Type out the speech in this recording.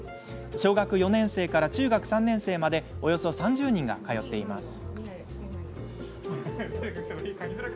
小学４年生から中学３年生までおよそ３０名が通っています。